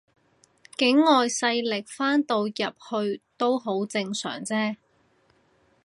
境外勢力翻到入去都好正常啫